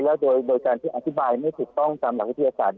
แล้วโดยการที่อธิบายไม่ถูกต้องตามหลักวิทยาศาสตร์